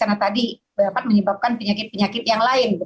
karena tadi dapat menyebabkan penyakit penyakit yang lain